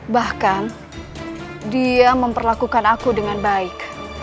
bahkan dia memperlakukan aku dengan baik